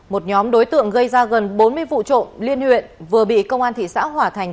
một nhóm đối tượng gây ra gần bốn mươi vụ trộm liên huyện vừa bị công an thị xã hòa thành